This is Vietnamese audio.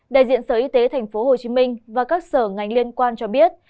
đại diện sở y tế tp hcm và các sở ngành liên quan cho biết